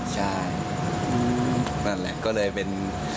ใช่ก็เลยเป็น